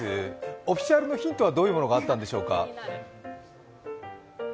オフィシャルのヒントはどういうものがあったのでしょうか？